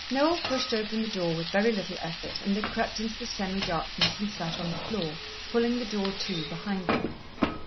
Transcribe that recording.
Noel pushed open the door with very little effort, and they crept into the semi darkness and sat on the floor, pulling the door to behind them.